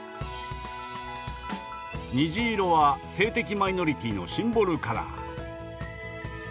虹色は性的マイノリティーのシンボルカラー。